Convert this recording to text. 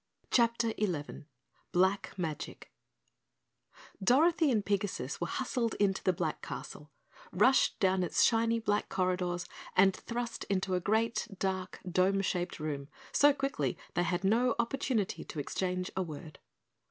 CHAPTER 11 Black Magic Dorothy and Pigasus were hustled into the Black Castle, rushed down its shiny black corridors and thrust into a great, dark, dome shaped room, so quickly they had no opportunity to exchange a word.